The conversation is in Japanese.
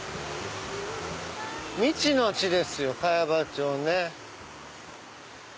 未知の地ですよ茅場町ね。